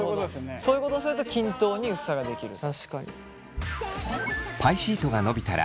そういうことをすると均等に薄さができると。